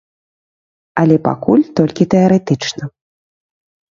Але пакуль толькі тэарэтычна.